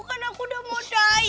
kan aku udah mau diet